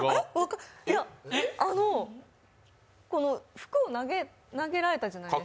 服を投げられたじゃないですか。